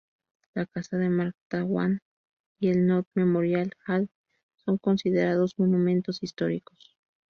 La casa de Mark Twain y el Nott Memorial Hall son considerados monumentos históricos.